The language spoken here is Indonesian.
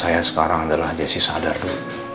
saya sekarang adalah jesse sadardo